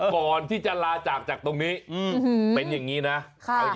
ก่อนที่จะลาจากจากตรงนี้เป็นอย่างนี้นะ